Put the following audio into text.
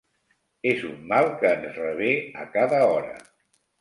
És un mal que ens revé a cada hora.